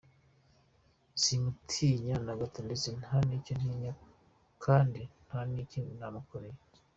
Simutinya na gato ndetse nta n’icyo ntinya kandi nta n’ikibi namukoreye!”.